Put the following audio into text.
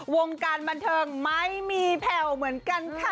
วงการบันเทิงไม่มีแผ่วเหมือนกันค่ะ